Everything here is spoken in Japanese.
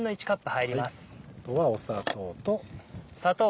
あとは砂糖と。